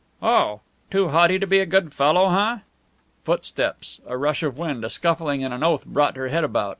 "Oh! Too haughty to be a good fellow, huh?" Footsteps, a rush of wind, a scuffling, and an oath brought her head about.